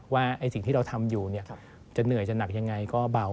ว่าสิ่งที่เราทำอยู่จะเหนื่อยจะหนักยังไงก็เบา